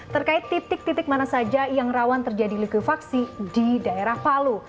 terkait titik titik mana saja yang rawan terjadi likuifaksi di daerah palu